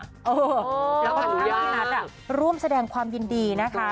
แล้วก็ถือว่าพี่นัทร่วมแสดงความยินดีนะคะ